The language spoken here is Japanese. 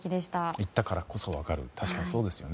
行ったからこそ分かるそうですよね。